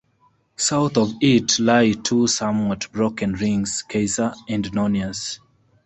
South of it lie two somewhat broken rings, Kaiser and Nonius.